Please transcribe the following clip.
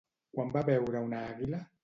Quan va veure una àguila?